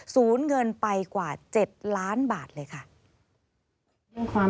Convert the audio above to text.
ศูนย์เงินไปกว่า๗ล้านบาทเลยค่ะ